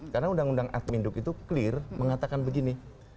karena undang undang adminuk itu clear mengatakan begini